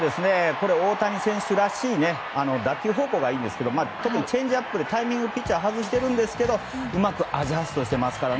大谷選手らしく打球方向がいいんですけど特にチェンジアップでピッチャーがタイミングを外しているんですけどうまくアジャストしていますから。